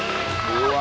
うわ！